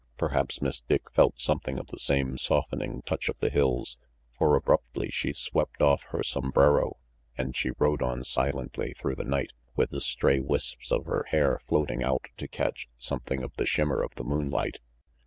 Perhaps Miss Dick felt something of the same softening touch of the hills, for abruptly she swept off her sombrero, and she rode on silently through the night, with the stray wisps of her hair floating out to catch something of the shimmer of the moonlight.